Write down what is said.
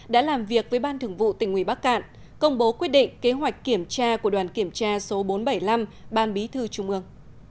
đã làm việc với ban thường vụ tỉnh ủy bắc cạn công bố quyết định kế hoạch kiểm tra của đoàn kiểm tra số bốn trăm bảy mươi năm ban bí thư trung ương